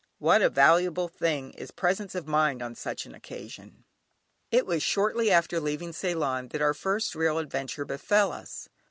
What a valuable thing is presence of mind on such an occasion! It was shortly after leaving Ceylon that our first real adventure befell us.